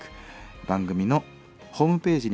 番組のホームページにあります